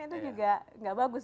itu juga gak bagus